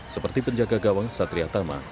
seperti penjaga gawang satri atama